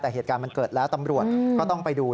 แต่เหตุการณ์มันเกิดแล้วตำรวจก็ต้องไปดู